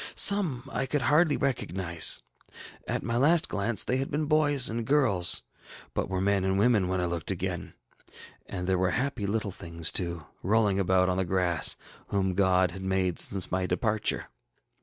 Some I could hardly recognize; at my last glance they had been boys and girls, but were young men and women when I looked again; and there were happy little things too, rolling about on the grass, whom God had made since my departure.